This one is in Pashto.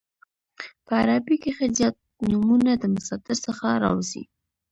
په عربي کښي زیات نومونه د مصدر څخه راوځي.